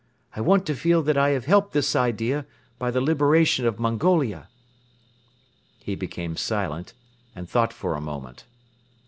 I want to feel that I have helped this idea by the liberation of Mongolia." He became silent and thought for a moment.